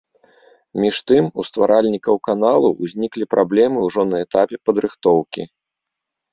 Між тым, у стваральнікаў каналу ўзніклі праблемы ўжо на этапе падрыхтоўкі.